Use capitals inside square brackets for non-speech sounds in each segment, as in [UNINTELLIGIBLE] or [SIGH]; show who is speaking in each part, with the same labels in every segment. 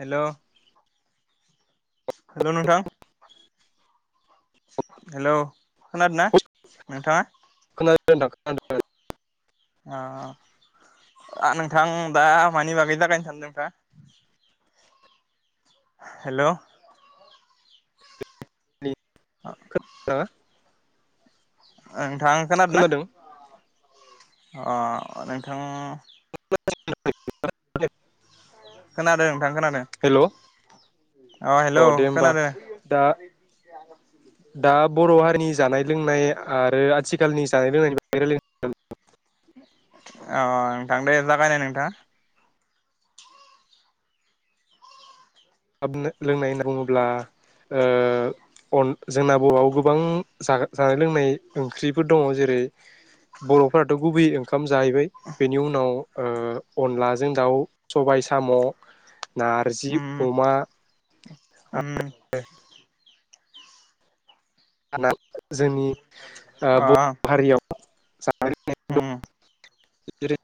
Speaker 1: हेल'। Hello नोंथां hello खोनादों ना नोंथाङा।
Speaker 2: खोनादों नोंथां खोनादों।
Speaker 1: ओ नोंथां दा मानि बागै राज्लायनो सानदों नोंथाङा। हेल'। आ।
Speaker 2: हो।
Speaker 1: आ। थां खोनादों ना। अ नोंथां।
Speaker 2: [UNINTELLIGIBLE]
Speaker 1: खोनादों। नोंथां खोनादों
Speaker 2: हेल'
Speaker 1: अ
Speaker 2: अ
Speaker 1: हेलौ
Speaker 2: दे होमबा
Speaker 1: खोनादों
Speaker 2: दा दा बर' हारिनि जानाय लोंनाय आरो आथिखालनि जानाय लोंनायनि बागै राज्लायनो। हेल' नोंथां।
Speaker 1: अ नोंथां दे जागायनाय नोंथाङा।
Speaker 2: हाब लोंनाय होनना बुङोब्ला जोंना बर'आव गोबां जानाय लोंनाय ओंख्रिफोर दङ जेरै बर'फोराथ' गुबै ओंख ओंखाम जाहैबाय बेनि उनाव। अनलाजों दाउ सबाय साम'। नारजि।
Speaker 1: उम
Speaker 2: अमा
Speaker 1: उम।
Speaker 2: [UNINTELLIGIBLE] जोंनि ओ
Speaker 1: अ
Speaker 2: बर' हारियाव जानाय लोंनाय दं
Speaker 1: उम
Speaker 2: जेरै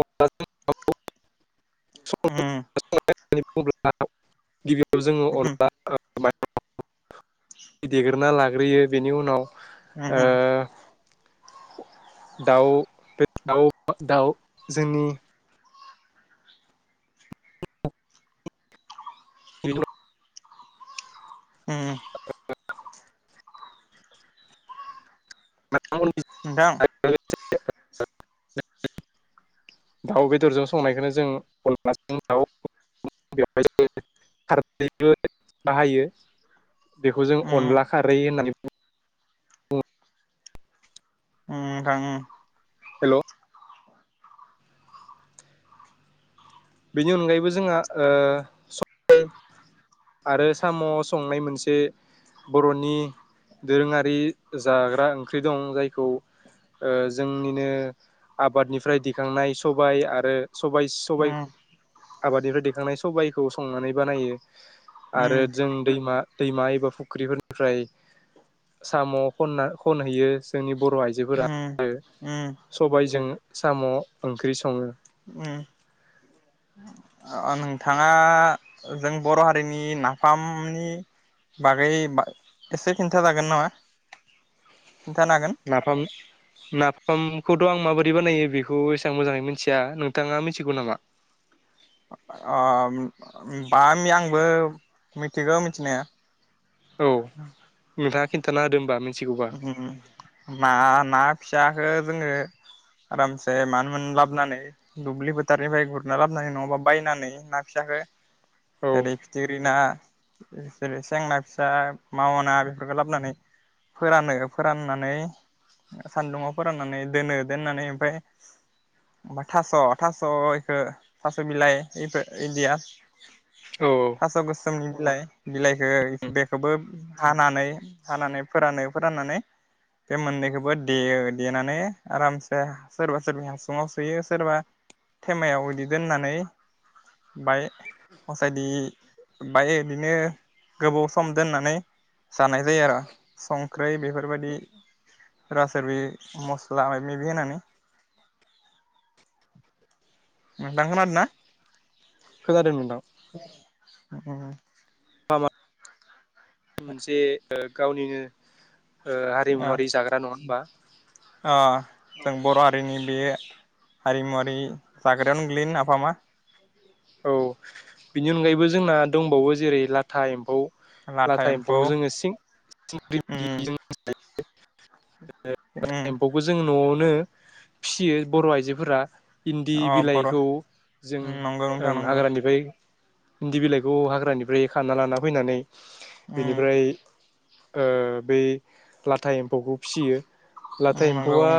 Speaker 2: अनला जों दाउ
Speaker 1: उम
Speaker 2: संनानै जानाय [UNINTELLIGIBLE] गिबियाव जोङो
Speaker 1: उम
Speaker 2: अनला [UNINTELLIGIBLE] देग्रोना लागोन ग्रोयो बेनि उनाव
Speaker 1: हम
Speaker 2: दाउ बे दाउ दाउ जोंनि बि
Speaker 1: उम
Speaker 2: औ [UNINTELLIGIBLE]
Speaker 1: नोंथां
Speaker 2: दाउ बेदरजों संनायखौनो जों अनलाजों दाउ बेवहायारै बाहायो। बेखौ जों
Speaker 1: उम
Speaker 2: अनला खारै होननानै
Speaker 1: उम थां उम
Speaker 2: हेल' बेनि अनगायैबो जोंहा ओ आरो साम' संनाय मोनसे बर'नि दोरोङारि जाग्रा ओंख्रि दं जायखौ ओ जोंनिनो आबादनिफ्राय दिखांनाय सबाय आरो सबाय सबाय आबादनिफ्राय देखांनाय सबाइखौ संनानै बानायो आरो
Speaker 1: उम
Speaker 2: जों दैमा दैमा एबा फुख्रिफोरनिफ्राय साम' खनना खनहैयो जोंनि बर' आइजोफोरा
Speaker 1: उम उम
Speaker 2: सबायजों साम' ओंख्रि सङो।
Speaker 1: उम नोंथाङा जों बर' हारिनि नाफामनि बागै एसे खिन्था जागोन नामा? खिन्थानो हागोन
Speaker 2: नाफाम नाफामखौथ' आं माबो ब्रै बानायनायो बेखौ एसेबां मोजाङै मिथिया नोंथाङा मिथिगौ नामा?
Speaker 1: अ बामि आंबो मिथिगौ मिथिनाया।
Speaker 2: औ नोंथां खिनथाना होदो होनबा मि
Speaker 1: मा ना फिसाखौ जोङो आरामसे मानो मोन लाबोनानै दुब्लि फोथारनिफ्राय गुरना लाबोनानै नङाबा बायनानै ना फिसाखो
Speaker 2: औ
Speaker 1: ओरै फिथिग्रि ना जेरै सेंना फिसा मावना बेफोरखौ लाबोनानै फोरानो फोराननानै ओ सान्दुंआव फोराननानै दोनो दोननानै ओमफाय ओमफाय थास' थास' इखो थास' बिलाइ इखो इदिया
Speaker 2: औ
Speaker 1: दास गोसो मनि बिलाइ बिलाइखो बेखोबो हानानै हानानै फोरानो फोराननानै बे मोननैखौबो देयो देनानै आरामसे सोरबा सोरबा हासुङाव सुयो सोरबा थेमायाव इदि दोननानै बाय हसायदि बाय इदिनो गोबाव सम दोननानै जानाय जायो आरो संख्रै बेफोरबायदि रासार मस्ला मायबा मायबि होनानै नोंथां खोनादोंना
Speaker 2: खोनादों नोंथां
Speaker 1: उम
Speaker 2: [UNINTELLIGIBLE] मोनसे ओ गावनिनो ओ हारिमुवारि जाग्रा नङा होमबा
Speaker 1: अ जों बर' हारिनि बे हारिमुवारि जाग्रायावनो गोलयो नाफामा
Speaker 2: औ बिनि अनगायैबो जोंना दंबावो जेरै लाथा एम्फौ लाथा एम्फौखौ जोङो सिं [UNINTELLIGIBLE]
Speaker 1: उम
Speaker 2: [INAUDIBLE] [UNINTELLIGIBLE]
Speaker 1: उम
Speaker 2: लांदां एम्फौखौ जोङो न'आवनो नो फिसियो बर' आइजोफोरा इन्दि
Speaker 1: अ बर'
Speaker 2: बिलाइखौ जों
Speaker 1: उम नंगौ
Speaker 2: ओं
Speaker 1: नोंथां नंगौ
Speaker 2: हाग्रानिफाय इन्दि बिलाइखौ हाग्रानिफ्राय खाना लाना फैनानै
Speaker 1: उम
Speaker 2: बेनिफ्राय ओ बै लाथा एम्फौखौ फिसियो
Speaker 1: उम
Speaker 2: लाथा
Speaker 1: नंगौ
Speaker 2: एम्फौआ
Speaker 1: उम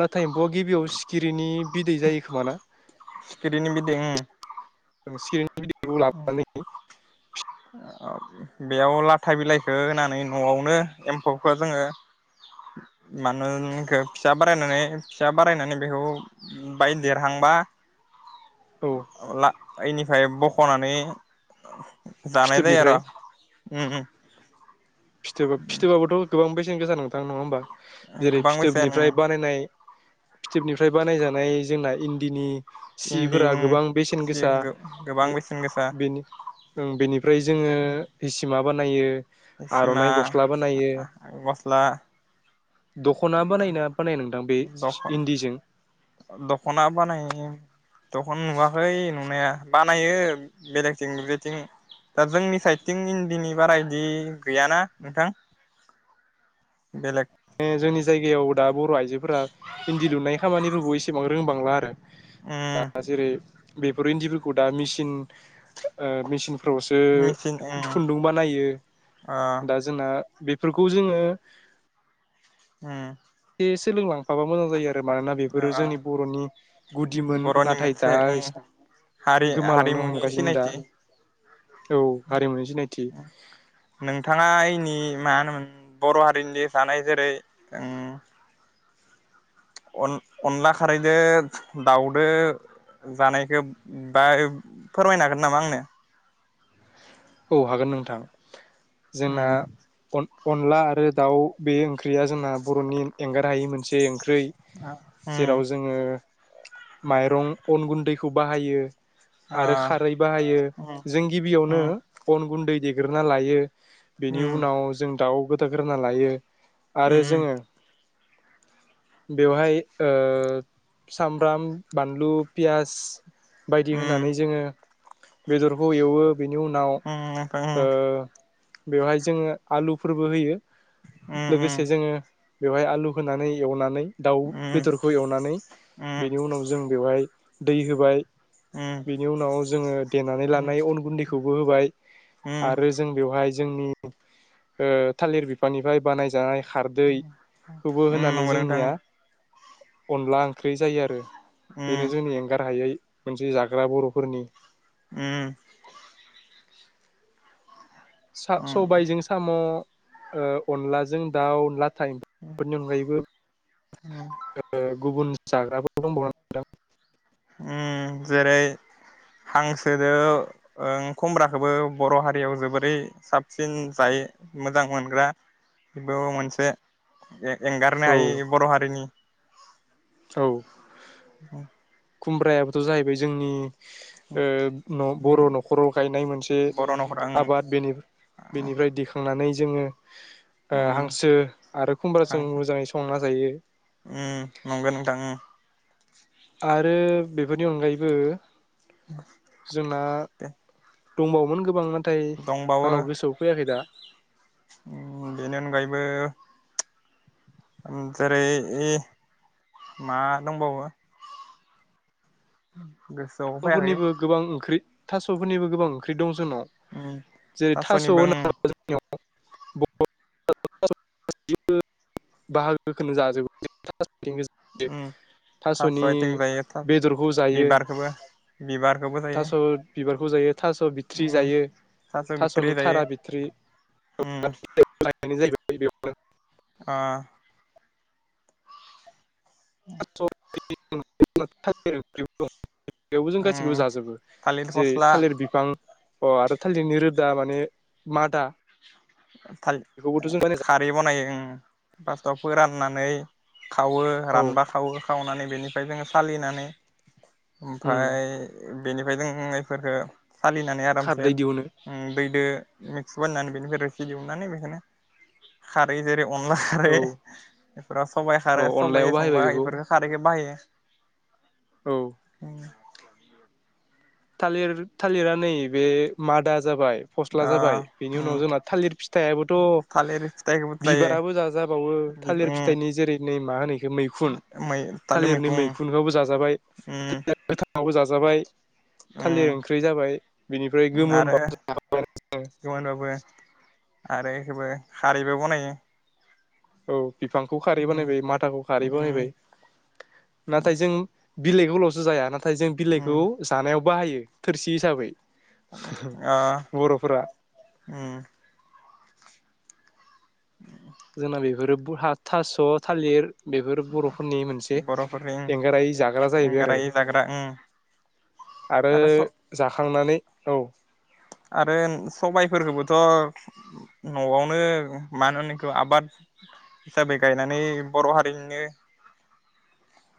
Speaker 2: ला था एमफौआ गिबियाव सिखिरिनि बिदै जायो खोमा ना
Speaker 1: सिखिरिनि बिदै उम
Speaker 2: ओं सिखिरि नि बिदैखौ लाबोनानै [INAUDIBLE]
Speaker 1: आ बेयाव लाथा बिलाइखो होनानै न'आवनो एम्फौखौ जोङो मानो इनखो फिसा बारायनानै फिसा बारायनानै बेखौ बाय देरहांबा
Speaker 2: औ
Speaker 1: ला इनिफाय बख खनानै जानाय जायो आरो
Speaker 2: फिथोबनिफ्राय
Speaker 1: ओम।
Speaker 2: फिथोबा फिथोबाबोथ' गोबां बेस सेन गोसा नथां नङा होनबा।
Speaker 1: उम
Speaker 2: जेरै
Speaker 1: गोबां बेसेन
Speaker 2: फिथोबनिफ्राय
Speaker 1: उम
Speaker 2: बानायनाय फिथोबनिफ्राय बानायजानाय जोंना इन्दिनि
Speaker 1: इन्दि
Speaker 2: सिफोरा
Speaker 1: उम
Speaker 2: गोबां बेसेन
Speaker 1: सि
Speaker 2: गोसा।
Speaker 1: गोबां बेसेन गोसा
Speaker 2: बेनि बेनिफ्राय जोङो हिसिमा बानायो।
Speaker 1: सिमा
Speaker 2: आर'नाइ गस्ला बानायो
Speaker 1: गस्ला
Speaker 2: दख'ना बानायो ना बानाय नोंथां बे
Speaker 1: दखन
Speaker 2: इन्दिजों?
Speaker 1: दख'ना बानायो दख'ना नुवाखै नुनाया। बानायो बेलेगथिं बेेथिं दा जोंनि साइडथिं इन्दिनि बारा बिदि गैयाना नोंथां। बेलेग
Speaker 2: ए जोंनि जायगायाव दा बर' आइजोफोरा इन्दि लुनायनि खामानिफोरखौ एसेबां रोंबां नुआ आरो। दा
Speaker 1: उम
Speaker 2: जेरै बेफोर इन्दिफोरखौ दा मिसिन ओ मिसिन फोरावसो
Speaker 1: मेचिन उम
Speaker 2: खुन्दुं बानायो
Speaker 1: ओ
Speaker 2: दा जोंना बेफोरखौ जोङो
Speaker 1: उम
Speaker 2: सोलोंलांफाबा मोजां जायो आरो। आरो मानोना बेफोरो
Speaker 1: ओ
Speaker 2: जोंनि बर'नि गुदिमोन
Speaker 1: बर'नि
Speaker 2: नाथाय दा
Speaker 1: मोनसे
Speaker 2: एस
Speaker 1: उम हारि
Speaker 2: गोमालांनो
Speaker 1: हारिमुनि
Speaker 2: हमगासिनो दा
Speaker 1: सिनायथि
Speaker 2: । औ हारिमुनि सिनायथि।
Speaker 1: नोंथाङा इनि मा होनोमोन बर' हारिनि जानाय जेरै ओं अन अनला खारैदो दाउदो जानायखौ बा फोरमायनो हागोन नामा आंनो?
Speaker 2: औ हागोन नोंथां। जोंना
Speaker 1: उम उम
Speaker 2: अन अनला आरो दाउ बे ओंख्रिया जोंना बर'नि एंगार हायि मोनसे ओं ख्रै जेराव जोङो माइरं अन गुन्दैखौ बाहायो।
Speaker 1: आ
Speaker 2: आरो खारै बाहायो
Speaker 1: उम
Speaker 2: । जों गिबियावनो
Speaker 1: उम
Speaker 2: अन गुन्दै देग्रोना लायो। बेनि उनाव जों दाउ गो दाग्रोना लायो।
Speaker 1: उम
Speaker 2: आरो जोङो बेवहाय ओ सामब्राम बानलु पियास बायदि होननानै जोङो बेदरखौ एवो बेनि उनाव
Speaker 1: उम नोंथां
Speaker 2: ओ
Speaker 1: उम
Speaker 2: बेवहाय जोङो आलुफोरबो होयो। लोगोसे जोङो बेवहाय आलु होनानै एवनानै दाउ
Speaker 1: उम
Speaker 2: बेदरखौ एवनानै
Speaker 1: उम
Speaker 2: बेनि उनाव जों बेवहाय दै होबाय । बिनि उनाव जोङो देनानै लानाय अन गुन्दैखौ बो होबाय ।
Speaker 1: उम
Speaker 2: आरो जों बेवहाय जोंनि ओ थालिर बिफांनिफ्राय बानायजानाय खारदैखौबो
Speaker 1: उम
Speaker 2: होनानै
Speaker 1: नंगौ नोंथां
Speaker 2: जोंनिया अनला ओंख्रै जायो आरो । बेनो
Speaker 1: उम
Speaker 2: जोंनि एंगार हायै मोनसे जाग्रा बर'फोरनि
Speaker 1: उम उम
Speaker 2: सा-सबायजों साम' ओ अनलाजों दाउ अनला टाइमफोरनि अनगायैबो ओ गुबुन जाग्राबो दंबाव [UNINTELLIGIBLE]
Speaker 1: उम जेरै हांसोजो उम खमब्राखौबो बर' हारियाव जोबोरै साबसिन जायो मोजां मोनग्रा बेबो मोनसे ए-एंगारनो
Speaker 2: औ
Speaker 1: हायि बर' हारिनि
Speaker 2: औ
Speaker 1: उम
Speaker 2: खुमब्रायाबोथ' जाहैबाय जोंनि उह न-बर' न'खराव गायनाय मोनसे
Speaker 1: बर' न'खर आं
Speaker 2: आबाद बेनि-बिनिफ्राय दिखांनानै जोंङो ओ हांसो आरो खुमब्राजों मोजांङै संना जायो ।
Speaker 1: नंगौ नोंथां
Speaker 2: आरो बेफोरनि अनगायैबो जोंना
Speaker 1: दे
Speaker 2: दंबावो मोन गोब बां नाथाय आंनाव गोसोआव फैयाखै दा ।
Speaker 1: उम बेनि अनगायैबो उम जेरै इ मा दंबावो? होम
Speaker 2: गुबुननिबो गोबां ओंख्रि थास'फोरनिबो गोबां ओंख्रि दं जोंनाव जेरै थास'
Speaker 1: थास'निबो
Speaker 2: होना [UNINTELLIGIBLE] जोंनिआव [UNINTELLIGIBLE] बाहागोखोनो जाजोबो जों थास [UNINTELLIGIBLE]
Speaker 1: थास'
Speaker 2: थास'नि बेदरखौ जायो ।
Speaker 1: बा बिबारखौबो जायो।
Speaker 2: बिबारखौ जायो। थास' बिथ्रि जायो
Speaker 1: थास' बिथ्रि
Speaker 2: थास'नि
Speaker 1: जायो
Speaker 2: थारा बिथ्रि जा। [UNINTELLIGIBLE]
Speaker 1: अ।
Speaker 2: थास'। [UNINTELLIGIBLE] बेयावबो जों गासैखौबो जाजोबो
Speaker 1: थालिर
Speaker 2: जेरै
Speaker 1: फस्ला
Speaker 2: थालिर बिफां। अ आरो थालिरनि रोदा माने मादा।
Speaker 1: थाल
Speaker 2: बेखौबोथ' जों बानाय
Speaker 1: खारै बनायो। ओम फास्टआव फोराननानै। खावो
Speaker 2: औ
Speaker 1: रानबा खावो खावनानै। बेनिफ्राय जोङो सालिनानै।
Speaker 2: उम
Speaker 1: ओमफ्राय बेनिफ्राय जों नै फोरखो। सालिनानै आरामसे
Speaker 2: खारदै दिहुनो
Speaker 1: ओम दैदो। मिक्स बनायनानै बेनिफ्राय रो। दिहुनानै बेखौनो खारै जेरै। अनला खारै
Speaker 2: औ
Speaker 1: बेफोराव सबाइ
Speaker 2: औ
Speaker 1: खारो
Speaker 2: अनलायाव
Speaker 1: सबाइ
Speaker 2: बाहायबाय
Speaker 1: संबा
Speaker 2: बेखौ
Speaker 1: इफोरफोर खारैखो बाहायो।
Speaker 2: औ
Speaker 1: उम [INAUDIBLE]
Speaker 2: थालिर थालिरा नै बे मादा जाबाय फस्ला
Speaker 1: ओ
Speaker 2: जाबाय बेनि
Speaker 1: उम
Speaker 2: उनाव जोंना थालिर फिथाइयाबोथ'
Speaker 1: थालिर फिथाइखौबो जायो
Speaker 2: बिबाराबो जाजाबावो थालिर
Speaker 1: उम
Speaker 2: फिथाइनि जेरै नै मा होनो इखो मैखुन
Speaker 1: मै थालिर
Speaker 2: थालिरनि
Speaker 1: मैखुं
Speaker 2: मैखुनखौबो जाजाबाय।
Speaker 1: उम
Speaker 2: आवबो जाजाबाय। थालिर
Speaker 1: उम
Speaker 2: ओंख्रि जाबाय बिनिफ्राय
Speaker 1: आरो
Speaker 2: गोमोनब जाबाय।
Speaker 1: गोमोनबाबो आरो बेखौबो खारैबो बनायो।
Speaker 2: औ। बिफांखौ
Speaker 1: ओ
Speaker 2: खारै बानायबाय मादाखौ खारै बानायबाय नाथाय जों। बिलाइ खौलवसो जाया नाथा थाय जों बिलाइखौ जानायाव बाहायो। थो
Speaker 1: आ
Speaker 2: जोंना बेफोरो बहा थास' थालिर बेफोर बर'फोरनि मोनसे
Speaker 1: बर'फोरनि
Speaker 2: एंगारायै जाग्रा जाहैबाय आरो
Speaker 1: एंगारायै जाग्रा
Speaker 2: आरो जाखांनानै औ
Speaker 1: आरो सबायफोरखौबोथ' न'आवनो मानोनिखौ आबाद हिसाबै गायनानै बर' हारिनिनो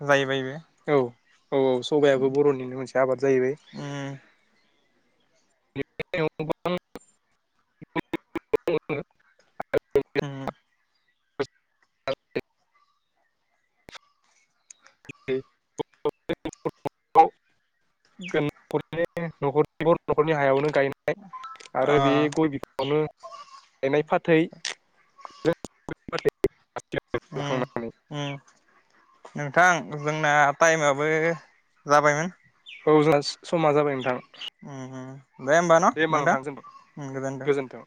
Speaker 1: जाहैबायबो
Speaker 2: औ औ औ सबायाबो बर'निनो मोनसे आबाद जाहैबाय [INAUDIBLE]
Speaker 1: ओ
Speaker 2: [INAUDIBLE] [INAUDIBLE] [INAUDIBLE] हायावनो गायनाय आरो बे
Speaker 1: अ
Speaker 2: गय बि नो गायनाय फाथै [INAUDIBLE]
Speaker 1: औ
Speaker 2: लाखांनानै
Speaker 1: औ नोंथां जोंना टाइमाबो जाबायमोन
Speaker 2: औ जोंना समा जाबाय नोंथां
Speaker 1: ओ ओ दे ओमबा न नोंथां ओं गोजोनथों
Speaker 2: गोजोन्थों